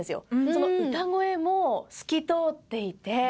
その歌声も透き通っていて。